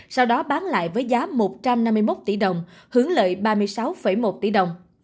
sau đó bán lại với giá một trăm năm mươi một tỷ đồng hướng lợi ba mươi sáu một tỷ đồng